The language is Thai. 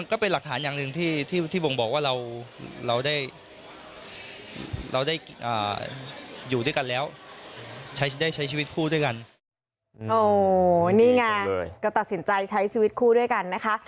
นี่ไงก็ตัดสินใจใช้ชีวิตคู่ด้วยกันนะคะ